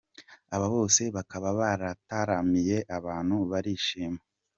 Aba bose bakaba barataramiye abantu barishima.